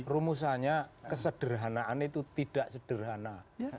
rumusannya kesederhanaan itu tidak sederhana